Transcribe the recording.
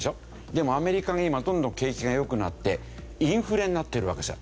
でもアメリカが今どんどん景気が良くなってインフレになってるわけですよ。